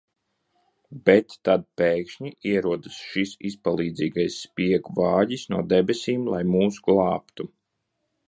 Bet tad pēkšņi ierodas šis izpalīdzīgais spiegu vāģis no debesīm, lai mūs glābtu!